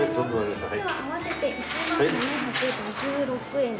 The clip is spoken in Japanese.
では合わせて１万７５６円。